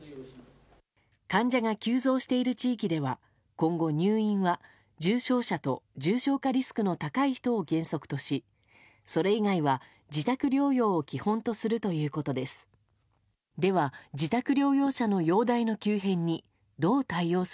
患者が急増している地域では今後、入院は重症者と重症化リスクの高い人を原則としそれ以外は自宅療養を基本とするということです。